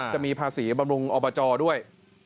จะมีภาษีบำรุงอบจด้วย